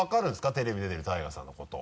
テレビ出てるＴＡＩＧＡさんのことを。